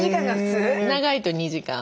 長いと２時間。